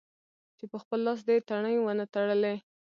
چې په خپل لاس دې تڼۍ و نه تړلې.